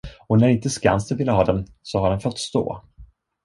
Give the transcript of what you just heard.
Och när inte Skansen ville ha den, så har den fått stå.